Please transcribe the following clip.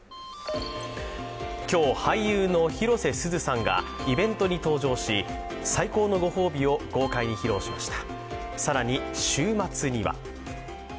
今日、俳優の広瀬すずさんがイベントに登場し最高のご褒美を豪快に披露しました。